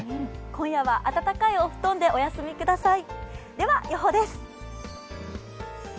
今夜は温かいお布団でお休みください。